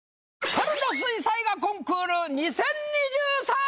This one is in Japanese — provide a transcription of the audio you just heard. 「春の水彩画コンクール２０２３」！